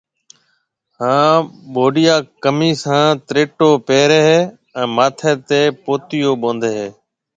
ھان بوڊيا کميس ھان تريٽو پيري ھيَََ ھان ماٿَي تي پوتيو ٻوندھيَََ ھيَََ